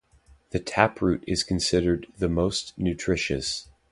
The taproot is considered the most nutritious.